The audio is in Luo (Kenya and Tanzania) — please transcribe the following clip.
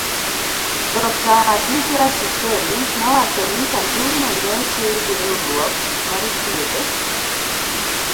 Dr. Khadija Shikely nowacho ni sandugno ne ochiw gi riwruok mar thiedho